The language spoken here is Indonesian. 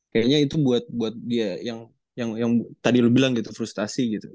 kayaknya itu buat dia yang tadi lo bilang gitu frustrasi gitu